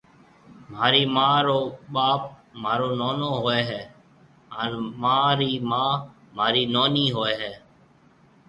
مهارِي مان رو ٻاپ مهارو نونو هوئيَ هيَ هانَ مان رِي مان مهارِي نونِي هوئيَ هيَ۔